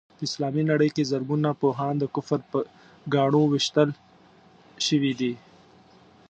په اسلامي نړۍ کې زرګونه پوهان د کفر په ګاڼو ويشتل شوي دي.